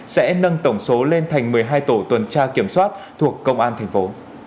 sẽ nâng tổng số lên thành một mươi hai tổ tuần tra kiểm soát thuộc công an thành phố